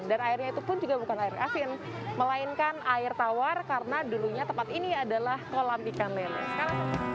dan airnya itu pun juga bukan air asin melainkan air tawar karena dulunya tempat ini adalah kolam ikan leluhur